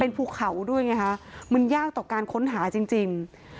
ภูเขาด้วยไงคะมันยากต่อการค้นหาจริง